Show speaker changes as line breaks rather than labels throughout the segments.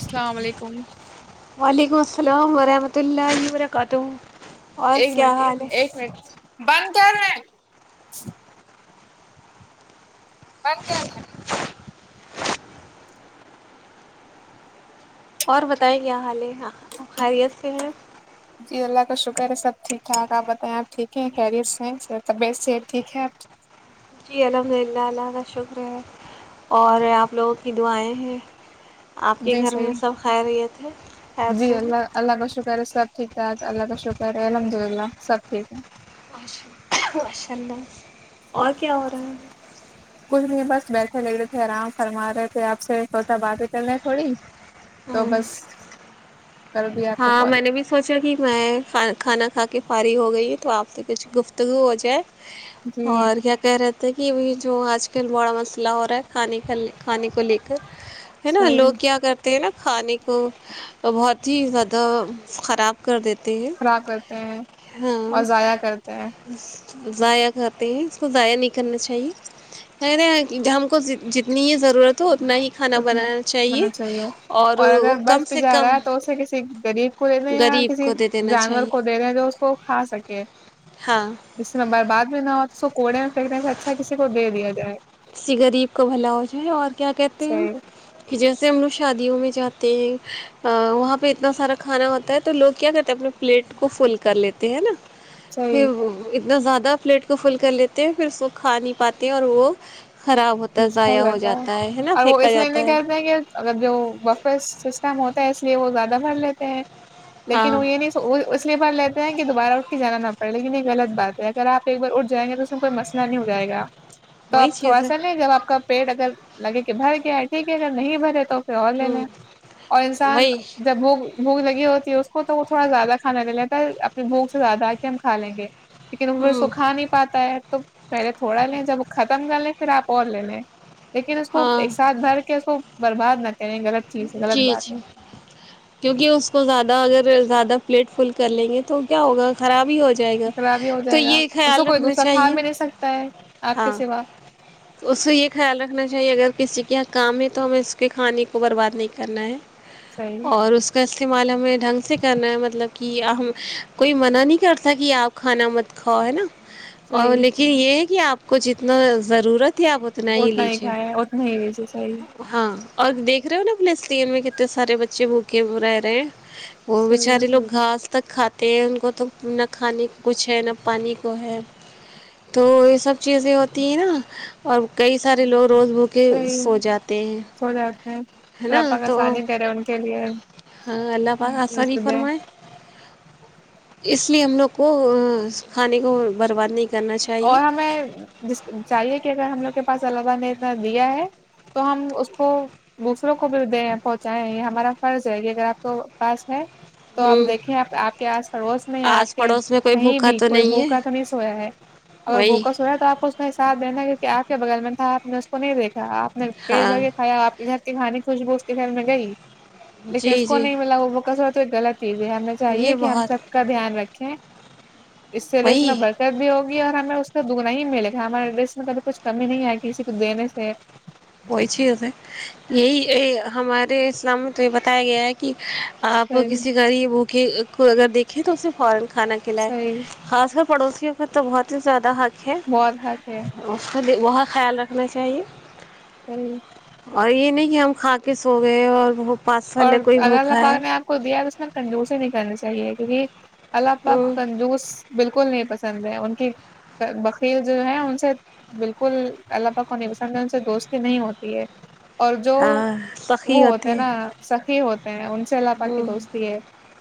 السلام علیکم
وعلیکم السلام ورحمت اللہ م کا تو
ایک منٹ ایک منٹ بار طر بند کر رہ
اور بتیں کیا حالے خریت سے ہیں
جی اللہ کا شکر ہے سب ٹھیک ٹھاک آپ بتائیں آپ ٹھیک کیریر سے طبیعت سےت ٹھیک ہے آپ
جی الحمد للہ اللہ کا شکر ہے اور آپ لوگوں کی دعائیں ہیں آپ کے
جی
گھر
صحیح
میں سب کھا رہے تھے خیر
جی
سے ہی
اللہ اللہ کا شکر ہے سب ٹھیک ٹھاک اللہ کا شکر ہے الحمد للہ سب ٹھیک ہے
ا ماشاء اللہ اور کیا ہو رہا ہے
کچھ نہیں بس بیٹھے لگ رہے تھے آرام فرما رہے تھے آپ سے سوچا بات بھی کرنا تھوڑی
ہے
توومس
ہاں میں نے بھی سوچا کہ میں کھانا کھا کے فاری ہو گئی ہے تو آپتے کچھ گفتگو ہو جائے
جی
اور کیا کہہ رہے تھے ت کہ وہ جو آج کل بڑا مسئلہ ہو رہا ہے کھانے کا کھانے کو لے کر ہے نا لوگ
صحیح
کیا کرتے نا کھانے کو بہت ہی زیادہ تو خراب کر دیتے ہیں
خراب کرتے ہیں اور
ہاں
ضائع کرتے ہیں
ضائع کرتے ہیں اس کو ضائع نہیں کرنا چاہیے ہم کو جتنی ہی ضرورت ہو اپتنا ہی کھانا
اتنا
بنانا چاہیے
ہونا
اور
اگر
کم
بس پہ
سے
جا رہا
کم
ہے تو اسے کسی غریب کو دے دیں یا
غریب
کسی
کو دے دینا
جانور
چاہیے
کو دے دیں جو اس کو کھا سکے
ہاں
ج میں برباد میں نہ ہو اس کوڑے میں پنکنے سے اچھا کسی کو دے دیا جائے
کسی غریب کا بھلا ہو جائے اور کیا کہتے ہیں
صحیح
کہ جیسے ہم لوگ شادیوں میں جاتے ہیں وہاں پہ اتنا سارا کھانا ہوتا ہے تو لوگ کیا کرتے ہیں اپنے پلیٹ کو فل کر لیتے ہے نا پ
صحیح
زیادہ پلیٹ کو فل کر لیتے ہیں پھر اس کو کھا نہیں پاتے ہیں اور وہ خراب ہوتا ہے ضائع ہو
رہتا ہے
جاتا نا
اور وہ
پھینکا
اس
جاتا
میںہے
ہے
کہتے ہیں کہ اگر جو وقفے سسٹم ہوتا ہے اس لیے وہ زیادہ بھر لیتے ہیں لیکن
ہاں
وہ یہ نہیں اس لیے پر لیتے کہ دوبارہ اٹھ کے جانا نہ پڑے لیکن یہ غط بات ہے اگر آپ ایک بار اٹھ جائیںے تو اس میں کوئی مسلہ نہیں ہو جائے گا
وہی چی تو
چلے جب آپ کا پیٹ اگر لگے کہ بھر گیا ہے ٹھیک ہے جگر نہیں بھرے تو اور لے
ہوں
لیں اور انسان
وہی
جب وہگ بھوک لگی ہوتی ہے اس کو تو وہ تھوڑا زیادہ کھانا لے لتا اپنی بھوک سے زیادہ آ کے ہم کا لیں گے لیکن ار
ہوں
سکھا نہیں پاتا ہے تو پہلے تھوڑا لیں جب ختم ج لے پھر آپ ل لیکن اس کو
ہاں
ایک ساتھ بھر کے اس کو برباد م
جی جی کیونکہ اس کو زیادہ اگر زیادہ پلیٹ فل کر لیں گے تو کیا ہوگا خرابی ہو جائے گا
خراب ہی ہو
تو
جائے گا
یہ
اس کو
خیال
کوئی
رکھنا
دوسرا کھا
چاہیے
بھی نہیں سکتا ہے آپ کے
ہاں
سوا
اس سے یہ خیال رکھنا چاہیے اگر کسی کے یہ کام ہے تو ہمیں اس کے کھانے کو برباد نہیں کرنا ہے
صحیح
اور اس کا شمالا میں ڈھنگ سے کرنا ہے مطلب کہ ہم کوئی منع نہیں کرتا کہ آپ کھانا مت کھاؤ ہے نا اور
صحیح
لیکن یہ کہ آپ کو جتنا ضرورت ت آپ اتنا ہی لیی
کھایا اتنا ہی لیجیے صحیح
ہاں اور دیکھ ھر پلسین میں کتے سے بچے بوکے برائے رہے ہیں وہ
صحیح
بچارے لوگ گھاس تک کھاتے ہیں ان کو تو نہ کھانے کچھ ہے نہ پانی کو ہے تو یہ سب چیزیں ہوتی ہیں نا اور کئی سارے لوگ روز بھوکے سو جاتے ہیں ہے نا
رپا کا
تو
سانی دے رہے ان کے لیے
ہاں اللہ پاک آسانی
صبح
فرمائے اس لیے ہم لوگ کو کھانے کو برباد نہیں کرنا چاہیے
اور ہمیں جس چاہیے کہ اگر ہم لوگ ا صلہ نے اتنا دیا ہے تو ہم اس کو دوسروں کو بھی دیں پہنچائائے یہ ہمارا فرض ہے یہ اگر آپ کے پاس ہے تو آپ
ہوں
دیکھیں آپ کے آس پڑوس میں یا آپ
آس
کے
پڑوس میں کوئی
کہیں
بھوکا
بھی
تو
کوئی
نہیں ہے
بھوکا تو نہیں سویا ہے اگر
وہی
بوکس ہو رہ ہے تو آپ کو اسنا حسابہنا ہے کیک آپ کے بغل میں تھا آپ نے اس کو نہیں دیکھا آپ پیٹ بھر
ہاں
کے کھیا آپ گھر کے کھانے خوشبوش کے گھر میں گئی لیکن اس
جی
کو
جی
نہیں ملا وہ وہ کس تو غلط چیزیں ہمیں چاہیے
یہ
کہ ہم
بہت
سب کا دھیان رکھیں اس سے لیے اس میں
وہی
برکعت بھی ہوگی ہمیں اس کا دگنا ہی ملے گا ہمارے ڈس میں کبھی کچھ کمی نہیں آئے کسی کو دینے سے
وہی چیے یہی ہمارے اسلام یہ بتایا گیا ہے کہ آپ
صحیح
کسی ریب کہ اگر دھے تو اس فارن کھانا کھلائے
صحیح
خاص کر پڑوسیوں کا تو بہت ہی زیادہ حق
ب حے
بت خیال رکھنا چاہیے
ہی
اور یہ نہیں کہ ہم کھا کے سو گئے اور بت
اور اگر اللہ پاک نے آپ کو دیا اس میں کنے نہیں کرنی چاہیے صحیے کیونکہ الپاک
ہوں،
کنجوس بالکل نہیں پس پ ان کی بقیر جو ہے ان سے بالکل اللہ پاک کو نہیں پسند ہے ان سے دوستی نہیں ہوتی ہے اور جو
ہاں
وہ
سخی
ہوتے
ہیں
نا یہ ہو ان سے اللہپا کی دوستی ہے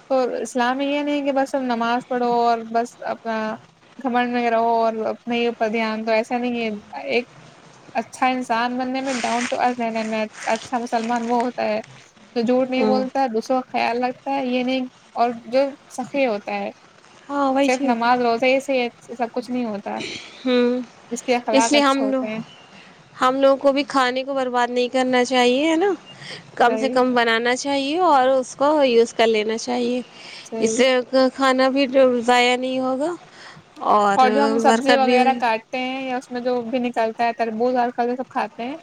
تو اسلام یہ نہیں کہ بس ا نماز پڑھو اور بس اپنا گھمن میں رہو اور اپنے ہی اوپر دھیان دو ایسا نہیں ہے ایک اچھا ان سان بننے میں ڈاؤن تو آ ج نا میں اچھا مسلمان وہ ہوتا ہے تو جوڑ نہیں
ہوں
بولتا دوسو خیال رکھتا ہے یہ نہیں اور جو سفری ہوتا ہے سپ ن آادر از ایس سر
ہ اس
اخلاق
لیے ہم
اچھے
لو
ہوتے ہیں
ہم لوگوں کو بھی کھانے کو برباد نہیں کرنا چاہ چاہیے نا کم سے
صحیح
کم بنانا چاہیے اور اس کو یوز کر لینا چاہیے اس
صحیح
سے کھانا بھی ضائع نہیں ہوگا اور
پبزی
برکت بھی
وغیرہ
ہوگی
کاٹتے ہیں یا اس میں جو بھی نکلتا ہے تربوز اور کرتے سب کھاتے ہیں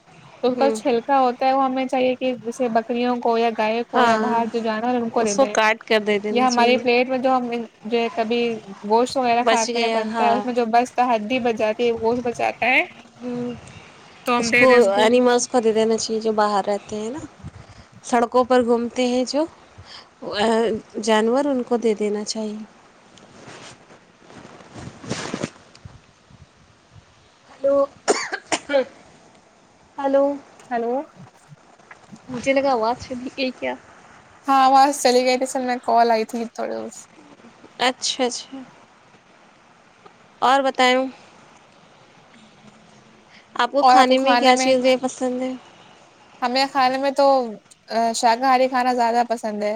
اس کا
ہوں
چھلکا ہوتا ہے وہ ہمیں چاہیے کہ جیسے بکریوں کو یا گائے کو یا
ہاں
باہر جو جانور ہے ان کو دے
اس
دیں
کاٹ کر دے دینا
یا ہماراری
چاہیے
پیٹ میں جو ہم جو ہے کبھی گوشت وغیرہ
بچ
کھاتے میں
گیا
بنتا ہے
ہاں
اس میں جو بستا ہڈی بجاتی ہے وہ بزات
ہ اس کو اینیملس خریدینا چاہیے جو باہر رہتے ہیں نا سڑکوں پر گھومتے ہیں جو جانور ان کو دے دینا چاہیے ہلو ہ ہیلو
ہلو
مجھے لگا آواز یہ کیا
ہاں باز چلی گئی تھی سر میں کال آئی تھی تھوڑی بت
اچھا اچھا اور بتاؤوں آپ کو کھانے میں کیا چیزیں پسند ہے
ہمیں کھانے میں تو شاکاہاری کھانا زیادہ پسند ہے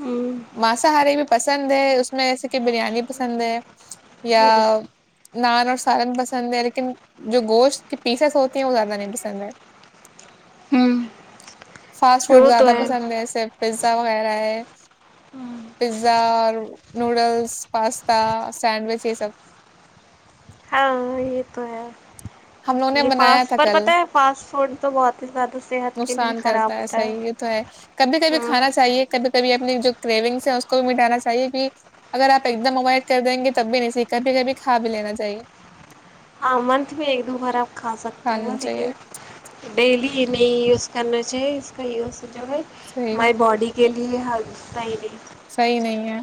ہوں
مانساہاری میں پس پسند ہے اس میں اییسے کہ بریانی پسند ہے یا
ہوں،
[inaudible] نان اور سالن پسند ہے لیکن جو گوشت کی پیسز ہوتی ہیں وہ زیادہ نہیں پسند ہے فاسٹ فوڈ
وہ تو
زیادہ پسند ہے ایسے پیزا وغیرہ ہے پیزا اور [inaudible] نوڈلس پاستا سینڈوچ یہ سب
ہاں یہ تو ہے
ہم لوگوں نے
یہ
بنایا تھا
فاسٹ پر
کل
پتہ ہے فاسٹ فوڈ تو بہت ہی زیادہ صحت کے لیے
نقصان
خراب
کرتا ہے
ہوتا
صحیح یہ تو ہے کبھی کبھی
ہاں
کھانا چاہیے کبھی کبھی اپنی جو کرونگس ہیں کو بھی مٹانا چاہیے کہ اگر آپ ایک دم اوائڈ کر دیں گے تب بھی نہیںی کبھی کبھی کھا بھی لینا چاہیے
ہاں من تو میں ایک دو بارہ کھا سکتے ہو
لینا چاہیے
لیکن ڈیلی نہیں یوز کرنا چاہیے اس کا یوز جو ہے
صحیح
مائی باڈی کے لیے حگتاے
صحیح نہیں ہے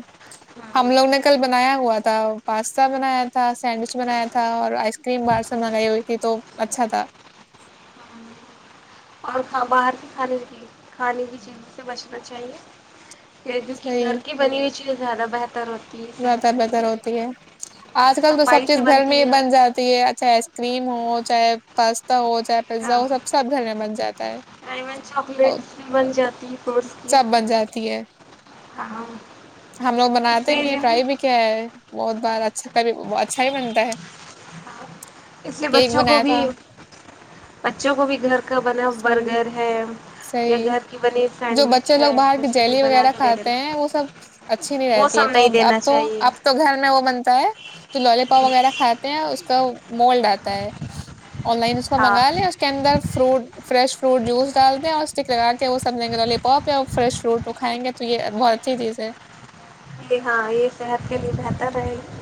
ہم لوگ نے کل بنایا ہوا تھا پاستا بنایا تھا سینڈوچ بنایا تھا اور آئس کریم باہر سے منگائی ہوئی تھی تو اچھا تھا
اور کھا باہر کی کھانے کی کھانے کی چیزوں سے بچنا چاہیے کہ جو کہ
صحیح
گھر کی بنی ہوئی چیز زیادہ بہتر ہوتا
زیادہ تر بہتر ہوتی ہے آج کل تو سب
صفائی
چیز
سے
گھر میں ہی
بنتی ہے
بن جاتی ہے اچھا آئس کریم ہو چاہے پاستا ہو پزا وہ سب سب گھر میں بن جاتا ہے
ایون
اور
چاکلیٹس بھی بن جاتی ہے فروٹس کی
سب بن جاتی ہے
ہاں
ہم لوگ
اس
بناتے
سے
م
جو ہے
کیا ہے بہت بار اچھا کھی اچھا ہی بنتا ہے
اس لیے
کیک
بچوں کو
بنایا
بھی
تھا
بچوں کو بھی گھر کا بنا
صحیح
برگر ہے یا
صحیح
گھر کی بنی
جو بچے
سینڈوچ ہے
لوگ باہر کی
اسے بھی
جیلی
بنا
وغیرہ
کے دے
کھاتے
دیں
ہیں وہ سب اچھی نہیں
وہ
رہتی ہے
سب
تو
نہیں
ا
دینا
آپ تو
چاہیے
آپ تو گھر میں وہ بنتا ہے جو لوال پاپ وغیرہ کھاتے ہیں اس کا مولڈ آتا ہے آن لائن اس کو
ہاں
منگا لیا اس کے اندر فروٹ فریش فروٹ جوس ڈال دیں اور اسٹک لگا کے وہ سم لیں گے لوی پاپ یا فریش فروٹ وہ کائیں گے تو یہ بہت اچھی چیز ہے
یہ ہاں یہ صحت کے لیے بہتر رہے گی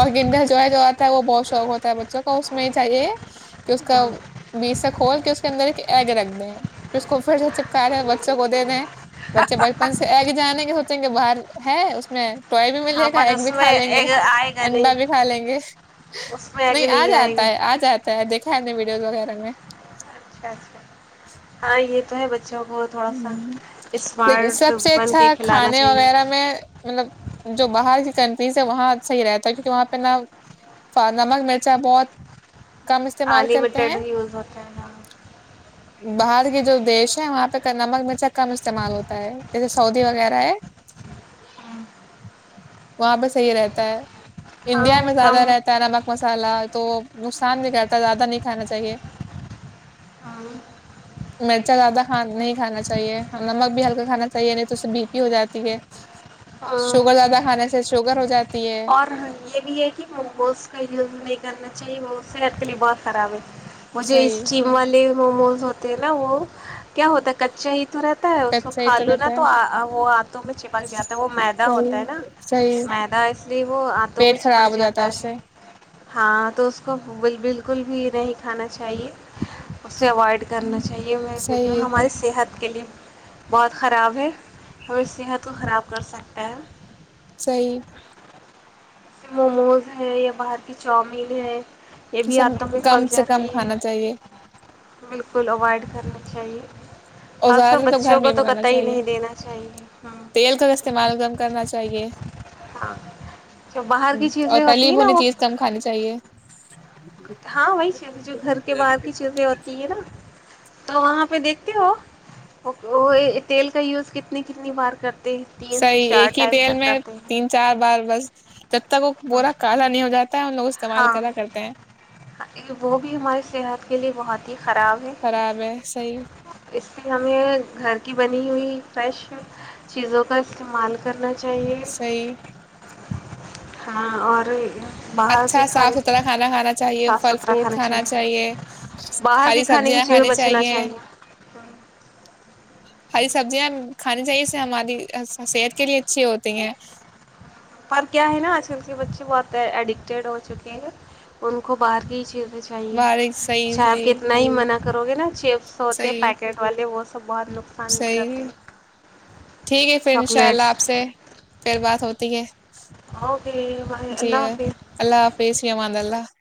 اور گیندا جو ہے جو آتا ہے وہ بہت شوق ہوتا ہے بچوں کا اس میں چاہیے کہ اس کا
ہاں
بیس تک کول کہ اس کے اندر ایک ایگ رگ میں پھر اس کو پھر سے چپکاے ہیں بچوں کو دینے ہیں بچے بچپن سے آگے جانیں گے سچیں گے باہر ہے اس میں ٹو بھی مل
ہاں
جے گا
بٹ
ایگ بھی
اس
کھا
میں
لیں گے
ایک آئے گا نہیں
انڈا بھی کھا لیں گے
اس میں
نہیں
آگے
آ
آئے گا
جاتا ہے آ جاتا ہے دیکھا نہیں م ز وغیرہ میں
اچھا اچھا ہاں یہ تمہیں بچ
ہ لیکن سب سے
بن
اچھا
کے کھلانا
کھانے
چاہیے
وغیرہ میں مطلب جو باہر کی کنٹ سے وہاں صح رہتا ہے کیونکہ وہاں پہ نا نمک مرچا بہت کم استعمال
ان
کرتے
لمیٹیڈ
ہیں
یوز ہوتا ہیں نا
باہر کے جو دیش ہیں وہاں پہ نمک مرچا کم استعمال ہوتا ہے جیسے سعودی وغیرہ ہے
ہاں
وہاں پہ صحی رہتا ہے
ہاں
انڈیا میں
کم
زیادہ رہتا ہے نمک مسالہ تو نقصان بھی کرتا زیادہ نہیں کھانا چاہیے
ہاں۔
مرچا زادہ ہاں نہیں کھانا چاہیے ہاں نمک بھی ہلکا کھانا چاہیے نہیں تو اس سے بی پی ہو جاتی ہے شوگر زیادہ کھانے سے شوگر ہو جاتا
اور یہ بھی ہے کہ مونگوز کا یوز نہیں کرنا چاہیے وہ صحت کے لیے بہت خراب ہے وہھے
صحیح
اسٹیم والے موموز ہوتے ہیں نا وہ کیا ہوتا ہے کچا ہی تو رہتا ہے اس کو
صحیح
کھا لوں نا
رہتا
تو
ہے
وہ ہاتھوں میں چپک جاتا ہے وہ میدا ہوتا
صحیح
ہے نا
صحیح
میدا وہ آنتوں میں
پیٹ خراب
چپک
ہو
جاتا
اس
ہے
سے
ہاں تو اس کو ب بالکل بھی نہیں کھانا چاہیے اسے اوائڈ کرنا چاہیے میںوں
صحیح
ہماری صحت کے لیے بہت خراب ہے ا سحت تو خراب کر سکتے ہیں
صحیح
جیسے موموز ہے یا باہر کی چاؤمین ہے یہ بھی
سب
آتوں میں پھل
کم سے کم
جاتی ہے
کھانا چاہیے
بالکل اوائڈ کرھرنے چاہیے
اور
خاص کر
زیادہ تر تو گھر
بچوں
میں
کو
ہی بنانا
قطعی
چاہیے
نہیں دینا چاہیے ہاں
تیل کا استعمال گم کرنا چاہیے
ہاں جو باہر کی
اور
چیزیں ہوتی
تلیم
ہیں نا
ہونی
وہ
چیز کم کھانی چاہیے
ہاں وہی چیزیں جو گھر کے باہر کی چیزیں ہوتی ہیں نا تو وہاں پہ دیکھتے ہو وہ تیل کا یوز کتنی کتنی بار کر
صحیح ایک ہی تیل میں
ہیں
تین چار بار بس جب تک وہ بورا کالا نہیں ہو جاتا ہے ان لوگوں
ہاں وہ بھی ہماری صحت کے لیے وہہ ت ہی خراب ہے
خراب ہے صحیح
اس پ ہمیں گھر کی بنی ہوئی فریش چیزوں کا استعمال کرنا چ
صی
ہاں اور باہر کے
اچھا صاف
کھانے
ستھرا کھانا کھانا چاہیے پھل فروٹ کھانا چاہیے
باہر کے
ہری
کھانے کی
سبزیاں
چیزیں
کھانی
بچنا
چاہیے ہری سبزیاں کھانی چاہیے اس سے ہماری صحت کے لیے اچھی ہوتی ہیں
پر کیا ہے نا آج کل کے بچے بہت ایڈکٹیڈ ہو چکے ہیں ان کو باہر کی چل چاہیے
باریک صحیح
اچھا آپ کے
صحیح
اتنا ہی منع کرو گے نا چپس ہوتے
صحیح
پیکٹ والے وہ سب بہت نقصان
صحیح
کرتے
ٹھیک ہے پھر
چاکلیٹس
ھ ہے
اوکے
[inaudible]
بائے
جی
اللہ حافظ
اللہ حافظ یہ ہم [inaudible]